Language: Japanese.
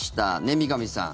三上さん